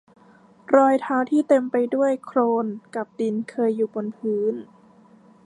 รอยเท้าที่เต็มไปด้วยโคลนกับดินเคยอยู่บนพื้น